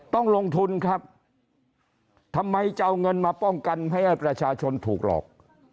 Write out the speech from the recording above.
ต้องลงทุนครับทำไมจะเอาเงินมาป้องกันไม่ให้ประชาชนถูกหลอก